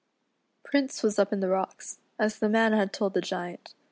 Prince was up in the rocks, as the man had told the Giant.